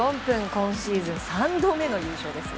今シーズン３度目の優勝です。